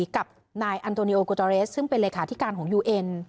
กับนายอันโตนิโอโกตอเรสซึ่งเป็นเลขาธิการของยูเอ็น